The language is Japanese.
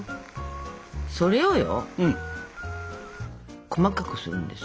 それをよ細かくするんですよ。